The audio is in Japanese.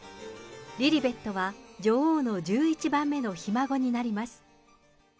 リリベットは女王の１１番目のひ孫になります。